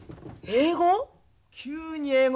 英語？